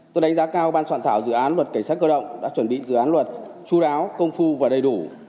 tôi đánh giá cao ban soạn thảo dự án luật cảnh sát cơ động đã chuẩn bị dự án luật chú đáo công phu và đầy đủ